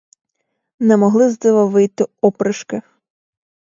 Не могли з дива вийти опришки.